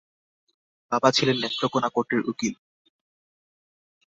বাবা ছিলেন নেত্রকোণা কোটের উকিল।